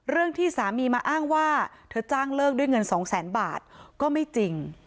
เรื่องที่สามีมาอ้างว่าเธอจ้างเลิกด้วยเงินสองแสนบาทก็ไม่จริง